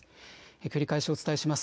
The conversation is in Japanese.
繰り返しお伝えします。